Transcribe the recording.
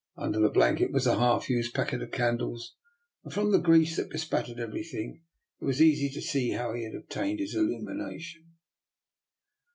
Under the blanket was a half used packet of candles, and from the grease that bespattered everything it was easily seen how he had obtained his illumination.